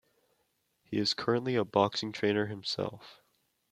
He is currently a boxing trainer himself.